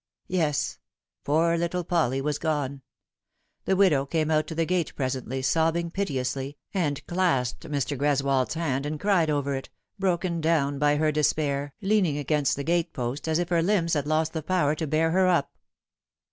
Yes, poor little Polly was gone. The widow came out to the gate presently, sobbing piteously, and clasped Mr. Greswold's hand and cried over it, broken down by her despair, leaning against the gate post, as if her limbs had lost the power to bear her up.